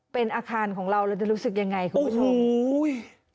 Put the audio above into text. เป็นอาคารของเราเราจะรู้สึกยังไงคุณผู้ชมอุ้ย